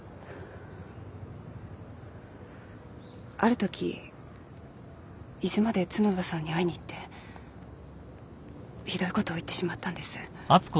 あるとき伊豆まで角田さんに会いに行ってひどいことを言ってしまったんです。